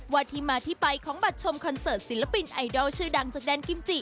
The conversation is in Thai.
ที่มาที่ไปของบัตรชมคอนเสิร์ตศิลปินไอดอลชื่อดังจากแดนกิมจิ